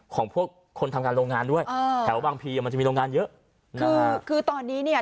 ของพวกคนทำงานโรงงานด้วยอ่าแถวบางพีอ่ะมันจะมีโรงงานเยอะนะฮะคือตอนนี้เนี่ย